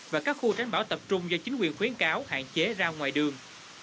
và các khu tránh bão tập trung do chính quyền khuyến cáo hạn chế ra ngoài đường